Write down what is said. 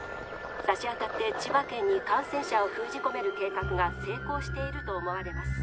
さしあたって千葉県に感染者を封じ込める計画が成功していると思われます。